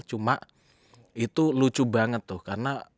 cuma itu lucu banget tuh karena